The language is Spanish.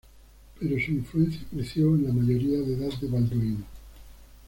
Pero su influencia creció en la mayoría de edad de Balduino.